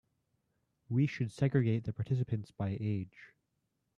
We should segregate the participants by age.